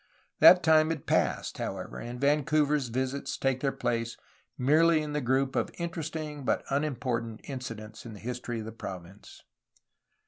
That time had passed, however, and Vancouver's visits take their place merely in the group of interesting but unimportant incidents in the history of the province.